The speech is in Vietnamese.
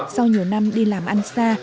sau nhiều năm đi làm ăn xa